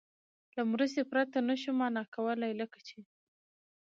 له مرستې پرته نه شو مانا کولای، لکه چې